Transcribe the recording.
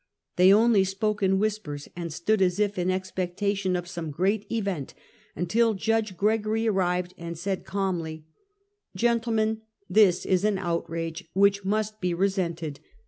They only spoke in whispers, and stood as if in expectation of some great event, until Judge Gregory arrived, and said, calmly: " Gentlemen, this is an outrage which must be re sented.